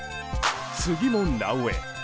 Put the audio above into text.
次も「なおエ」。